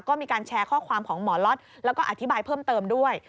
ก็มีการแชร์ข้อความของหมอล็อตแล้วก็อธิบายเพิ่มเติมด้วย